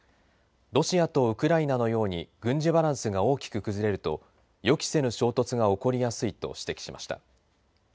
ロシアとウクライナのように軍事バランスが大きく崩れると予期せぬ衝突が起こりやすいと指摘しました。